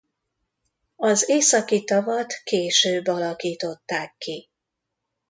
Az északi tavat később alakították ki.